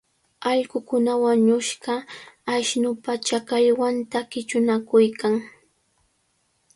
Allqukuna wañushqa ashnupa chakallwanta qichunakuykan.